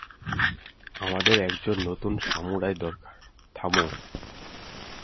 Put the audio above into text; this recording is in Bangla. আমাদের একজন নতুন সামুরাই দরকার, থামো!